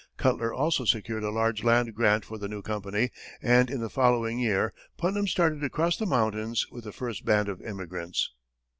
Cutler also secured a large land grant for the new company, and in the following year, Putnam started across the mountains with the first band of emigrants.